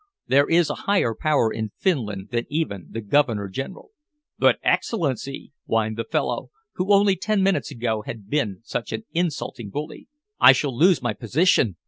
There is a higher power in Finland than even the Governor General." "But, Excellency," whined the fellow who only ten minutes ago had been such an insulting bully, "I shall lose my position.